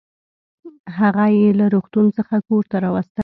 هغه يې له روغتون څخه کورته راوستله